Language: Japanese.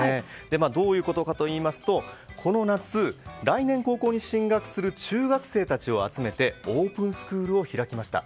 どういうことかといいますとこの夏、来年高校に進学する中学生に向けてオープンスクールを開きました。